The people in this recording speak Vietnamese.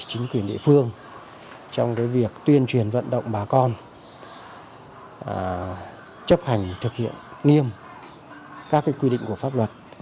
chính quyền địa phương trong việc tuyên truyền vận động bà con chấp hành thực hiện nghiêm các quy định của pháp luật